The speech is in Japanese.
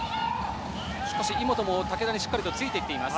井本も竹田にしっかりついていっています。